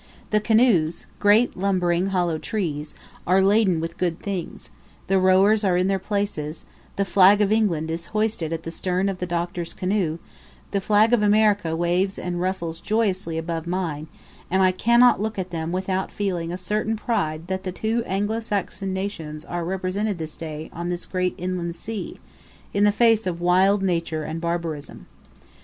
The canoes great lumbering hollow trees are laden with good things; the rowers are in their places; the flag of England is hoisted at the stern of the Doctor's canoe; the flag of America waves and rustles joyously above mine; and I cannot look at them without feeling a certain pride that the two Anglo Saxon nations are represented this day on this great inland sea, in the face of wild nature and barbarism.